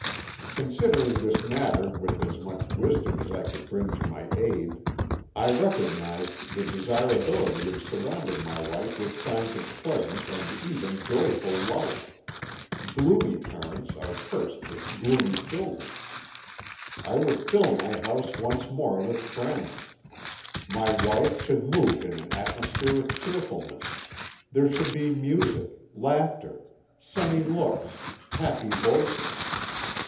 "Considering this matter with as much wisdom as I could bring to my aid, I recognised the desirability of surrounding my wife with signs of pleasant and even joyful life. Gloomy parents are cursed with gloomy children. I would fill my house once more with friends; my wife should move in an atmosphere of cheerfulness; there should be music, laughter, sunny looks, happy voices.